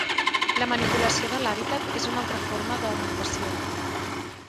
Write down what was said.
La manipulació de l'hàbitat és una altra forma d'augmentació.